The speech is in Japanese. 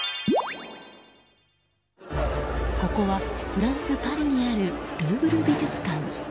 ここは、フランス・パリにあるルーブル美術館。